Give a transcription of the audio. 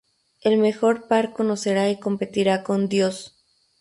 El mejor par conocerá y competirá con "Dios".